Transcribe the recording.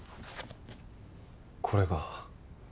これが。